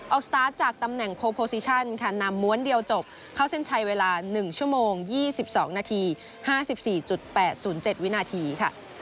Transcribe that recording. สตาร์ทจากตำแหน่งโคโพซิชั่นค่ะนำม้วนเดียวจบเข้าเส้นชัยเวลา๑ชั่วโมง๒๒นาที๕๔๘๐๗วินาทีค่ะ